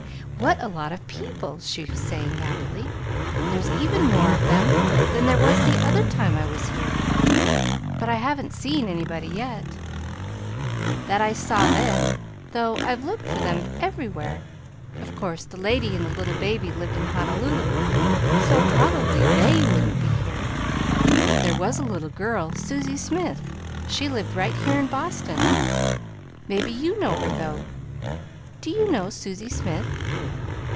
what a lot of people," she was saying happily. "There's even more of them than there was the other time I was here; but I haven't seen anybody, yet, that I saw then, though I've looked for them everywhere. Of course the lady and the little baby lived in Honolulu, so probably THEY WOULDN'T be here; but there was a little girl, Susie Smith she lived right here in Boston. Maybe you know her though. Do you know Susie Smith?"